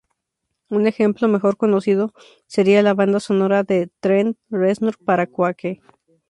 Un ejemplo mejor conocido sería la banda sonora de Trent Reznor para "Quake".